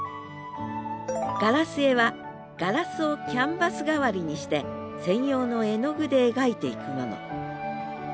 ガラス絵はガラスをキャンバス代わりにして専用の絵の具で描いていくもの。